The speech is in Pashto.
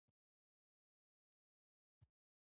لومړی یو کال د ساینسي مضامینو لپاره دی.